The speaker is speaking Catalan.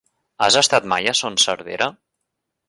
Has estat mai a Son Servera?